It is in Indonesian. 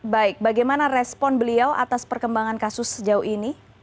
baik bagaimana respon beliau atas perkembangan kasus sejauh ini